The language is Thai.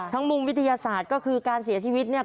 มุมวิทยาศาสตร์ก็คือการเสียชีวิตเนี่ย